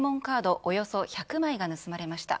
およそ１００枚が盗まれました。